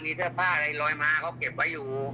มีเทือป้าดลอยมาเขาเก็บไว้อยู่